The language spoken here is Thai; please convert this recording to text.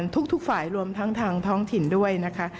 ทุกฝ่ายรวมทั้งทางท้องถิ่นด้วยนะคะ